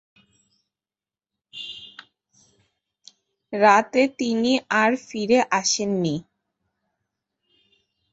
রাতে তিনি আর ফিরে আসেননি।